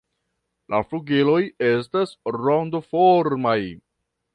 La flugiloj estas rondoformaj.